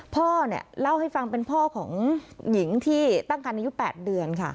พ่อเนี่ยเล่าให้ฟังเป็นพ่อของหญิงที่ตั้งคันอายุ๘เดือนค่ะ